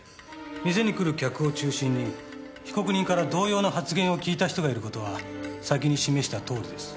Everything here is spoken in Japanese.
店に来る客を中心に被告人から同様の発言を聞いた人がいる事は先に示したとおりです。